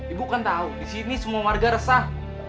ibu kan tahu di sini semua warga resah